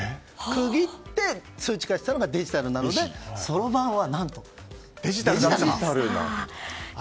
区切って数値化したものがデジタルなのでそろばんはデジタルなんです。